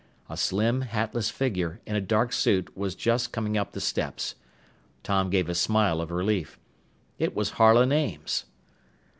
A slim, hatless figure in a dark suit was just coming up the steps. Tom gave a smile of relief. It was Harlan Ames!